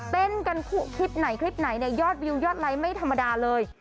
เต้นกันคลิปไหนคลิปไหนเนี่ยยอดวิวยอดไลค์ไม่ธรรมดาเลย